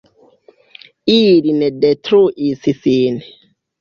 Ili ne detruis sin.